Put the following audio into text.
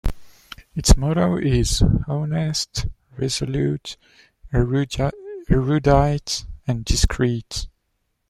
Its motto is 'honest, resolute, erudite, discreet'.